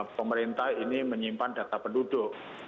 dan kemudian kemudian menyimpan data penduduk